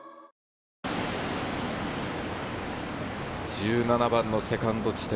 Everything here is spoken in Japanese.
１７番のセカンド地点。